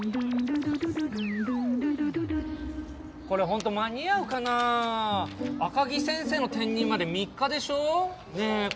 これホント間に合うかなアカギ先生の転任まで３日でしょねえ